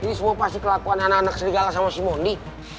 ini semua pasti kelakuan anak anak serigala sama simondi